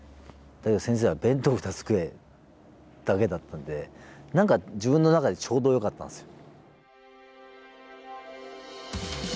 だけど先生は「弁当２つ食え」だけだったんで何か自分の中でちょうどよかったんですよ。